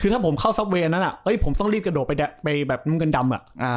ถ้าผมเข้าซับเวย์อันนั้นผมต้องรีดกระโดดไปแบบเงินดำ